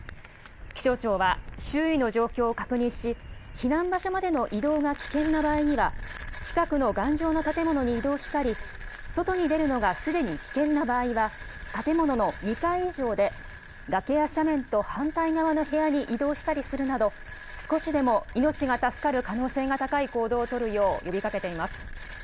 気象庁は、周囲の状況を確認し、避難場所までの移動が危険な場合には、近くの頑丈な建物に移動したり、外に出るのがすでに危険な場合は、建物の２階以上で崖や斜面と反対側の部屋に移動したりするなど、少しでも命が助かる可能性が高い行動を取るよう呼びかけています。